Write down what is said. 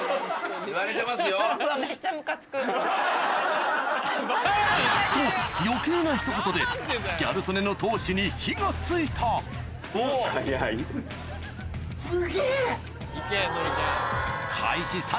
・言われてますよ・と余計なひと言でギャル曽根の闘志に火が付いた・早い・すげぇ！